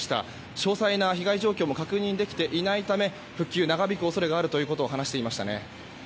詳細な被害状況も確認できていないため復旧が長引く恐れがあると話していました。